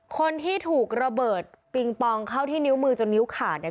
คนที่ถูกระเบิดปิงปองเข้าที่นิ้วมือจนนิ้วขาดเนี่ย